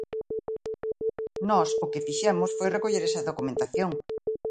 Nós o que fixemos foi recoller esa documentación.